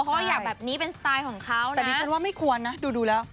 เพราะว่าอยากแบบนี้เป็นสไตล์ของเขาแต่ดิฉันว่าไม่ควรนะดูแล้ว